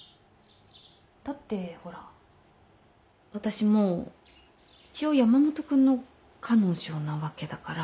だってほら私もう一応山本君の彼女なわけだから。